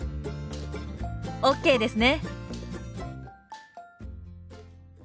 ＯＫですね！